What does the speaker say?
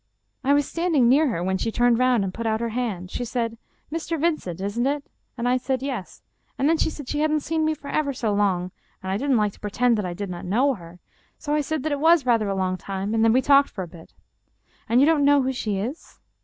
" I was. standing near her when she turned round and put out her hand. She said, * Mr. Vincent, isn't it ?' And I said yes, and then she said she hadn't seen me for ever so long, and I didn't like to pretend that I did not know her, so I said that it was rather a long time ; and then we talked for a bit." " And you don't know who she is